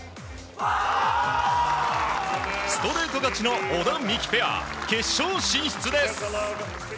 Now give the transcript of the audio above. ストレート勝ちの小田、三木ペア決勝進出です！